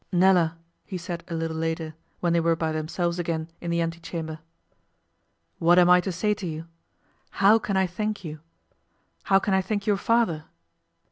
'Nella,' he said a little later, when they were by themselves again in the ante chamber, 'what am I to say to you? How can I thank you? How can I thank your father?